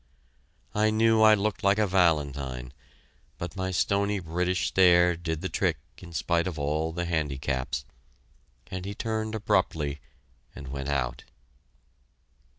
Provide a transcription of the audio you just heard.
I knew I looked like a valentine, but my stony British stare did the trick in spite of all handicaps, and he turned abruptly and went out.